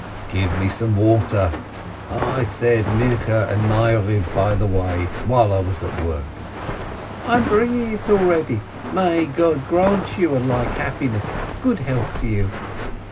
"Give me some water — I said Minchah and Maariv by the way, while I was at work." "I'm bringing it already ! May God grant you a like happiness ! Good health to you